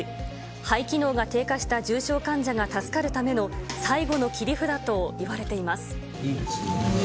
肺機能が低下した重症患者が助かるための、最後の切り札といわれ１、２。